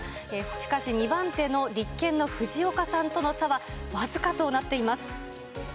しかし２番手の立憲の藤岡さんとの差は僅かとなっています。